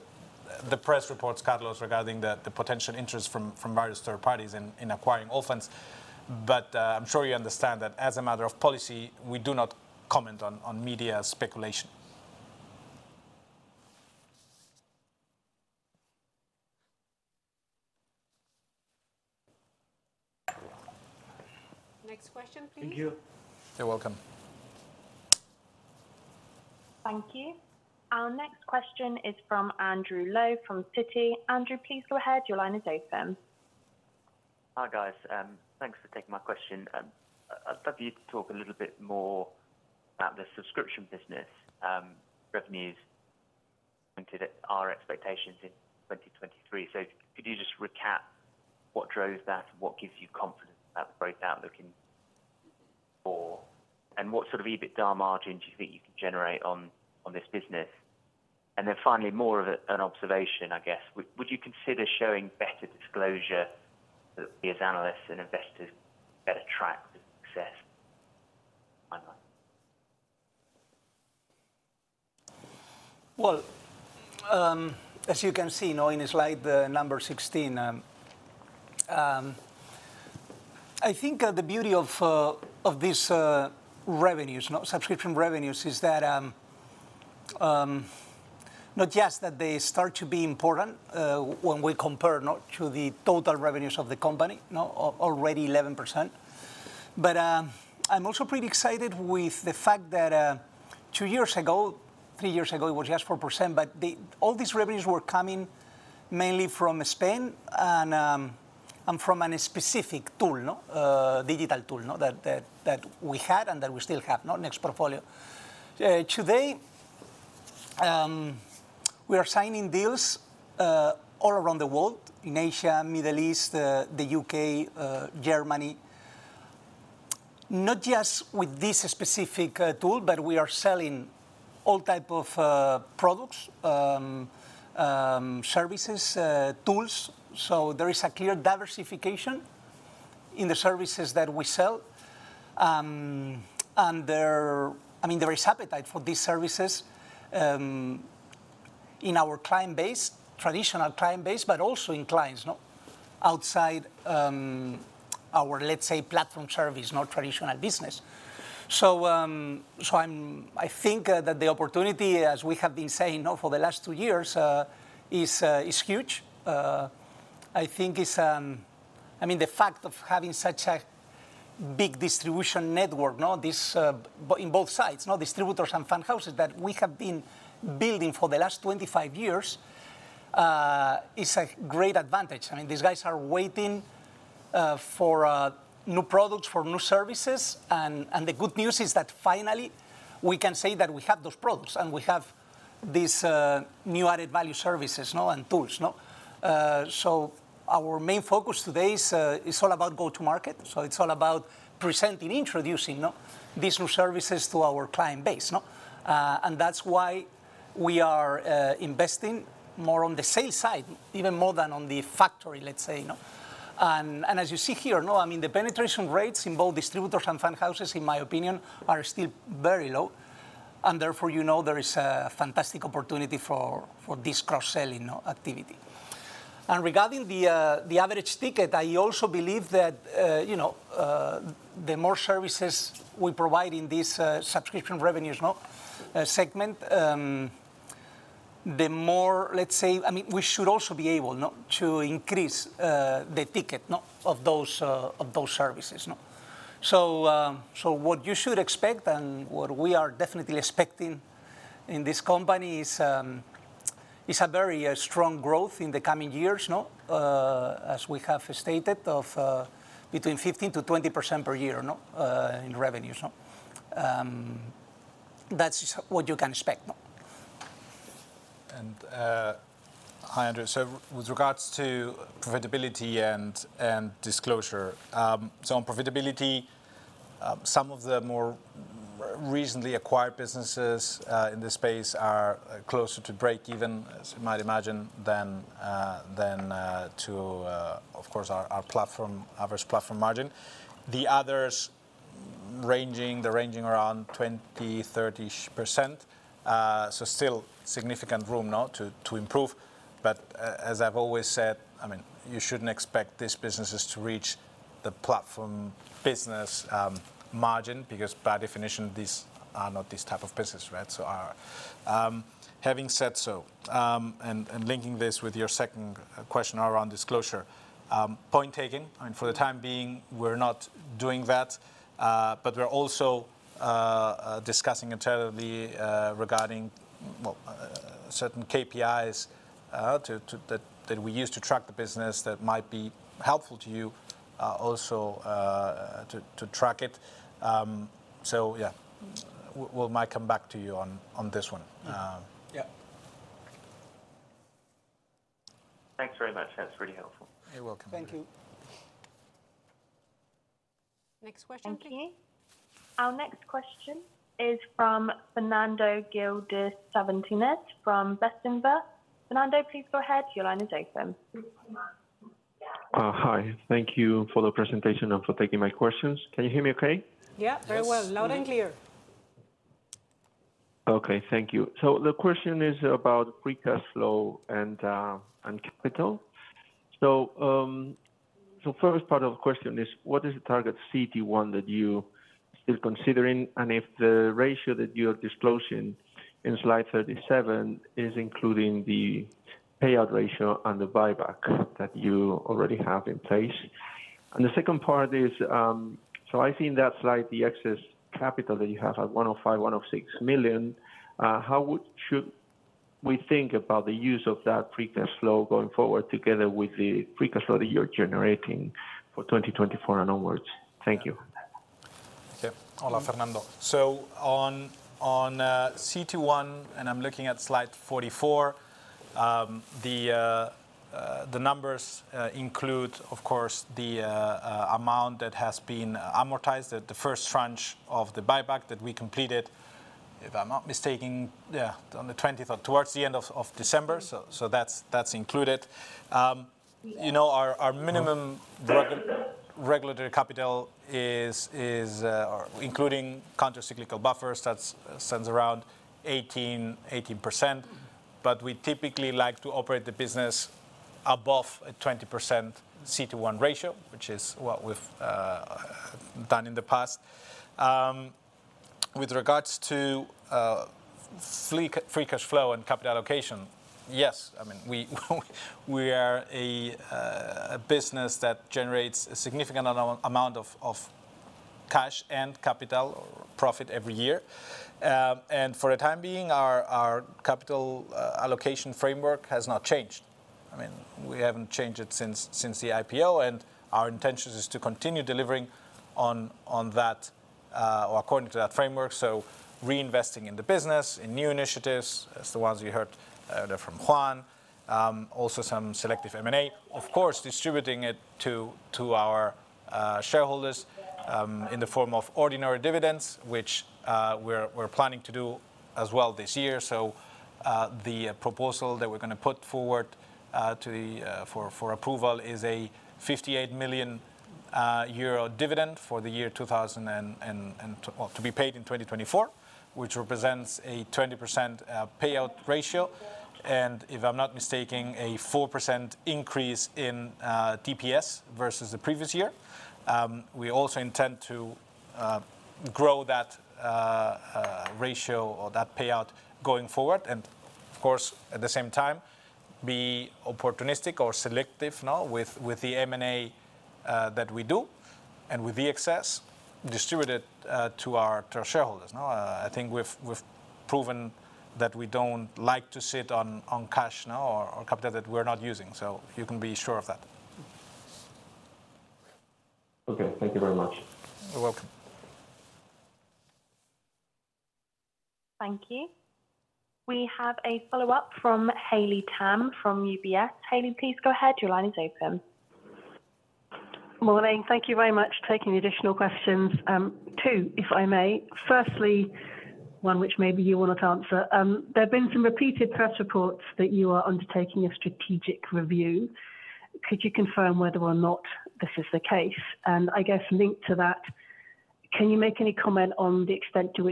Speaker 3: the press reports, Carlos, regarding the potential interest from various third parties in acquiring Allfunds. But, I'm sure you understand that as a matter of policy, we do not comment on media speculation.
Speaker 1: Next question, please.
Speaker 10: Thank you.
Speaker 3: You're welcome.
Speaker 4: Thank you. Our next question is from Andrew Lowe from Citi. Andrew, please go ahead. Your line is open.
Speaker 11: Hi, guys. Thanks for taking my question. I'd love you to talk a little bit more about the subscription business, revenues into the, our expectations in 2023. Could you just recap what drove that and what gives you confidence about the growth outlook in 2024? And what sort of EBITDA margin do you think you can generate on this business? And then finally, more of an observation, I guess. Would you consider showing better disclosure so that we as analysts and investors better track the success online?
Speaker 2: Well, as you can see now in slide number 16, I think the beauty of these subscription revenues is that not just that they start to be important when we compare now to the total revenues of the company, no, already 11%. But I'm also pretty excited with the fact that two years ago, three years ago, it was just 4%, but all these revenues were coming mainly from Spain and from a specific tool, no? Digital tool, no, that we had and that we still have, no, NextPortfolio. Today we are signing deals all around the world, in Asia, Middle East, the U.K., Germany. Not just with this specific tool, but we are selling all type of products, services, tools. So there is a clear diversification in the services that we sell. And there - I mean, there is appetite for these services in our client base, traditional client base, but also in clients outside our, let's say, platform service, traditional business. So I'm - I think that the opportunity, as we have been saying, for the last two years, is huge. I think it's, I mean, the fact of having such a big distribution network in both sides, distributors and fund houses, that we have been building for the last 25 years, is a great advantage. I mean, these guys are waiting for new products, for new services, and the good news is that finally, we can say that we have those products, and we have these new added value services, no, and tools, no? So our main focus today is all about go-to-market. So it's all about presenting, introducing, no, these new services to our client base, no? And that's why we are investing more on the sales side, even more than on the factory, let's say, no. And as you see here, no, I mean, the penetration rates in both distributors and fund houses, in my opinion, are still very low, and therefore, you know, there is a fantastic opportunity for this cross-selling, no, activity. Regarding the average ticket, I also believe that you know the more services we provide in this subscription revenues segment, the more, let's say - I mean, we should also be able to increase the ticket of those services. So what you should expect and what we are definitely expecting in this company is a very strong growth in the coming years, as we have stated, of between 15%-20% per year in revenues. That's what you can expect.
Speaker 3: Hi, Andrew. So with regards to profitability and disclosure, on profitability, some of the more recently acquired businesses in this space are closer to break even, as you might imagine, than to, of course, our platform average platform margin. The others, they're ranging around 20-30-ish%. So still significant room to improve. But as I've always said, I mean, you shouldn't expect these businesses to reach the platform business margin, because by definition, these are not this type of business, right? So, having said so, and linking this with your second question around disclosure, point taken, and for the time being, we're not doing that, but we're also discussing internally regarding well certain KPIs to that we use to track the business that might be helpful to you also to track it. So, yeah, we might come back to you on this one.
Speaker 2: Yeah.
Speaker 11: Thanks very much. That's really helpful.
Speaker 3: You're welcome.
Speaker 2: Thank you.
Speaker 4: Next question, please. Thank you. Our next question is from Fernando Gil de Santivañes from Bestinver. Fernando, please go ahead. Your line is open.
Speaker 12: Hi. Thank you for the presentation and for taking my questions. Can you hear me okay?
Speaker 2: Yeah, very well.
Speaker 3: Yes.
Speaker 2: Loud and clear.
Speaker 12: Okay, thank you. So the question is about free cash flow and capital. So first part of the question is, what is the target CET1 that you are considering? And if the ratio that you are disclosing in slide 37 is including the payout ratio and the buyback that you already have in place? And the second part is, so I've seen that slide, the excess capital that you have at 105 million-106 million, how should we think about the use of that free cash flow going forward together with the free cash flow that you're generating for 2024 and onwards? Thank you.
Speaker 3: Yeah. Hola, Fernando. So on CET1, and I'm looking at slide 44, the numbers include, of course, the amount that has been amortized at the first tranche of the buyback that we completed, if I'm not mistaken, yeah, on the 20th or towards the end of December. So that's included. You know, our minimum regulatory capital is, or including countercyclical buffers, that stands around 18%, but we typically like to operate the business above a 20% CET11 ratio, which is what we've done in the past. With regards to free cash flow and capital allocation, yes, I mean, we are a business that generates a significant amount of cash and capital or profit every year. And for the time being, our capital allocation framework has not changed. I mean, we haven't changed it since the IPO, and our intentions is to continue delivering on that or according to that framework, so reinvesting in the business, in new initiatives, as the ones you heard from Juan, also some selective M&A. Of course, distributing it to our shareholders in the form of ordinary dividends, which we're planning to do as well this year. So, the proposal that we're gonna put forward to the AGM for approval is a 58 million euro dividend for the year 2000 and... Well, to be paid in 2024, which represents a 20% payout ratio, and if I'm not mistaken, a 4% increase in DPS versus the previous year. We also intend to grow that ratio or that payout going forward, and of course, at the same time, be opportunistic or selective, no, with the M&A that we do, and with the excess, distribute it to our shareholders, no? I think we've proven that we don't like to sit on cash, no, or capital that we're not using, so you can be sure of that.
Speaker 12: Okay, thank you very much.
Speaker 3: You're welcome.
Speaker 4: Thank you. We have a follow-up from Haley Tam from UBS. Haley, please go ahead. Your line is open.
Speaker 5: Morning. Thank you very much for taking the additional questions. Two, if I may. Firstly, one which maybe you will not answer. There have been some repeated press reports that you are undertaking a strategic review. Could you confirm whether or not this is the case? And I guess linked to that, can you make any comment on the extent to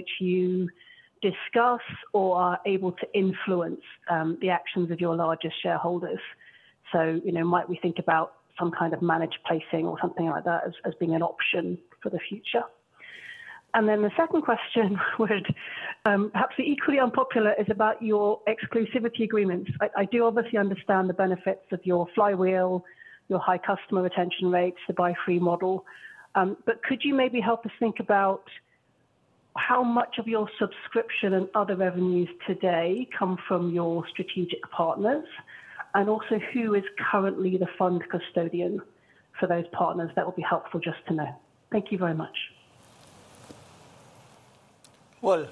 Speaker 5: which you discuss or are able to influence the actions of your largest shareholders? So, you know, might we think about some kind of managed placing or something like that as being an option for the future? And then the second question, would perhaps be equally unpopular, is about your exclusivity agreements. I do obviously understand the benefits of your flywheel, your high customer retention rates, the buy free model, but could you maybe help us think about how much of your subscription and other revenues today come from your strategic partners? And also, who is currently the fund custodian for those partners? That would be helpful just to know. Thank you very much.
Speaker 2: Well,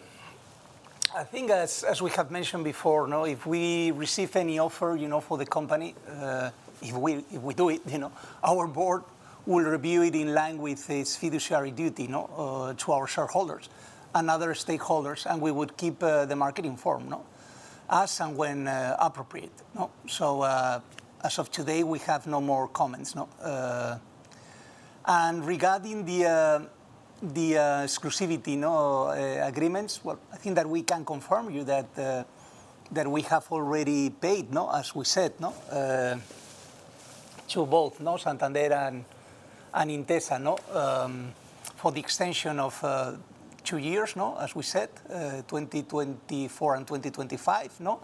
Speaker 2: I think, as we have mentioned before, no, if we receive any offer, you know, for the company, if we do it, you know, our board will review it in line with its fiduciary duty, no, to our shareholders and other stakeholders, and we would keep the market informed, no? As and when appropriate, no. So, as of today, we have no more comments, no. And regarding the exclusivity, no, agreements, well, I think that we can confirm you that we have already paid, no, as we said, no, to both, no, Santander and Intesa, no, for the extension of two years, no, as we said, 2024 and 2025, no?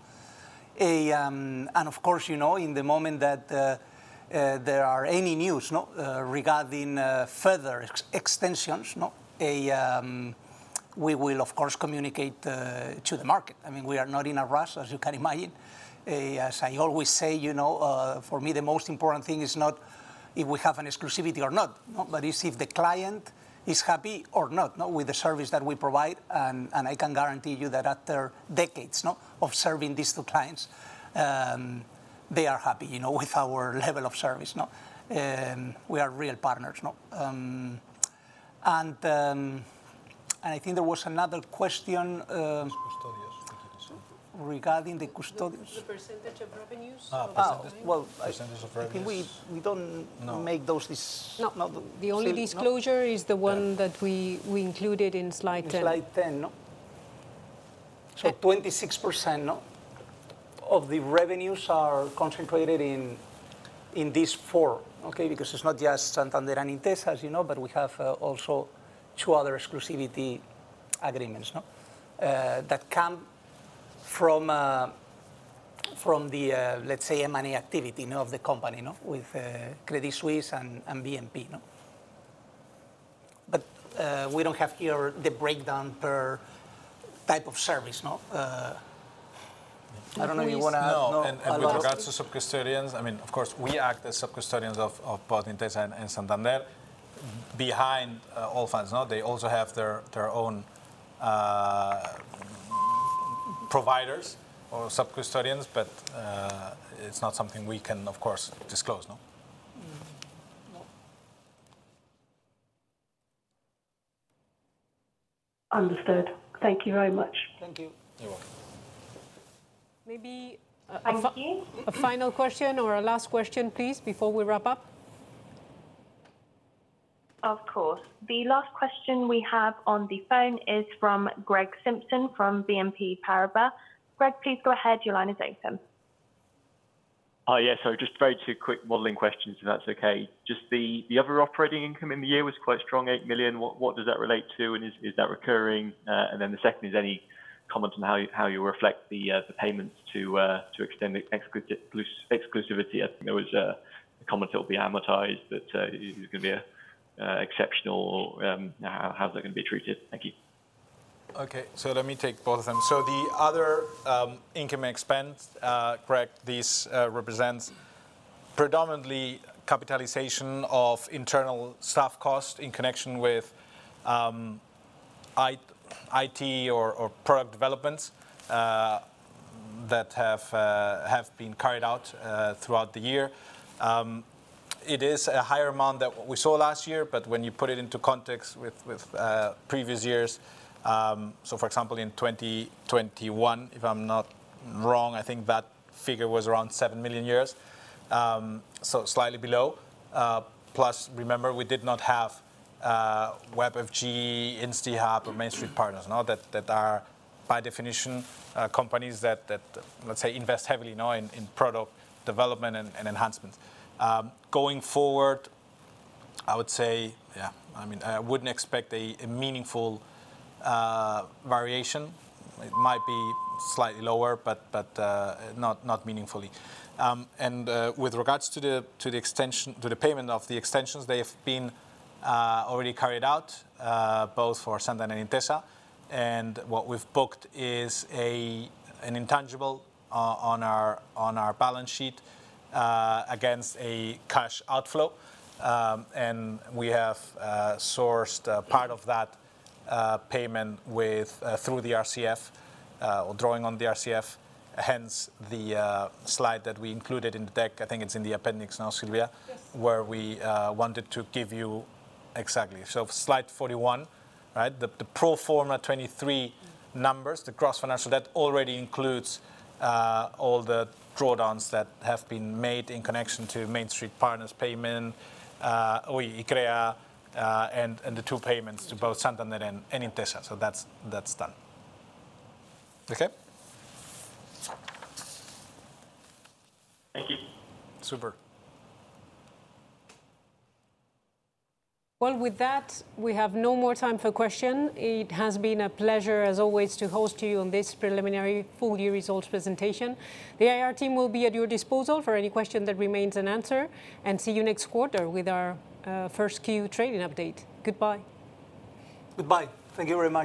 Speaker 2: Of course, you know, in the moment that there are any news, no, regarding further extensions, no, we will, of course, communicate to the market. I mean, we are not in a rush, as you can imagine. As I always say, you know, for me, the most important thing is not if we have an exclusivity or not, no, but it's if the client is happy or not, no, with the service that we provide. And I can guarantee you that after decades, no, of serving these two clients, they are happy, you know, with our level of service, no? We are real partners, no. And I think there was another question.
Speaker 3: Custodios.
Speaker 2: Regarding the custodians.
Speaker 5: The percentage of revenues.
Speaker 3: Ah, percentage.
Speaker 2: Well, I...
Speaker 3: Percentage of revenues
Speaker 2: We don't...
Speaker 3: No
Speaker 2: ...make those dis...
Speaker 1: No.
Speaker 2: No.
Speaker 1: The only disclosure is the one that we included in slide 10.
Speaker 2: In slide 10, no?
Speaker 1: Yeah.
Speaker 2: So 26% of the revenues are concentrated in these four, okay? Because it's not just Santander and Intesa, as you know, but we have also two other exclusivity agreements, no, that come from the let's say, M&A activity, you know, of the company, no? With Credit Suisse and BNP, no? But we don't have here the breakdown per type of service, no? I don't know if you wanna-
Speaker 3: No, and with regards to sub-custodians, I mean, of course, we act as sub-custodians of both Intesa and Santander behind Allfunds, no? They also have their own providers or sub-custodians, but it's not something we can, of course, disclose, no?
Speaker 2: No.
Speaker 5: Understood. Thank you very much.
Speaker 2: Thank you.
Speaker 3: You're welcome.
Speaker 1: Maybe a-
Speaker 4: Thank you...
Speaker 1: a final question or a last question, please, before we wrap up?
Speaker 4: Of course. The last question we have on the phone is from Greg Simpson from BNP Paribas. Greg, please go ahead. Your line is open.
Speaker 9: Yeah, so just very two quick modeling questions, if that's okay. Just the other operating income in the year was quite strong, 8 million. What does that relate to, and is that recurring? And then the second is any comment on how you reflect the payments to extend the exclusivity. I think there was a comment it will be amortized, but is it gonna be a exceptional, how is that gonna be treated? Thank you.
Speaker 3: Okay, so let me take both of them. So the other income expense, Greg, this represents predominantly capitalization of internal staff cost in connection with IT or product developments that have been carried out throughout the year. It is a higher amount than what we saw last year, but when you put it into context with previous years... So for example, in 2021, if I'm not wrong, I think that figure was around 7 million, so slightly below. Plus, remember, we did not have WebFG, instiHub, or MainStreet Partners, no? That are, by definition, companies that let's say invest heavily, no, in product development and enhancements. Going forward, I would say, yeah, I mean, I wouldn't expect a meaningful variation. It might be slightly lower, but not meaningfully. And with regards to the extension to the payment of the extensions, they have been already carried out, both for Santander and Intesa. And what we've booked is an intangible on our balance sheet, against a cash outflow. And we have sourced a part of that payment through the RCF or drawing on the RCF, hence the slide that we included in the deck. I think it's in the appendix now, Silvia...
Speaker 1: Yes
Speaker 3: Where we wanted to give you - exactly. So slide 41, right? The pro forma 2023 numbers, the gross financial, that already includes all the drawdowns that have been made in connection to MainStreet Partners payment, Iccrea, and the two payments to both Santander and Intesa. So that's done. Okay?
Speaker 9: Thank you.
Speaker 3: Super.
Speaker 1: Well, with that, we have no more time for questions. It has been a pleasure, as always, to host you on this preliminary full year results presentation. The IR team will be at your disposal for any questions that remain unanswered, and see you next quarter with our first Q trading update. Goodbye.
Speaker 2: Goodbye. Thank you very much.